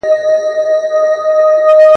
له قرنونو له پېړیو لا لهانده سرګردان دی ..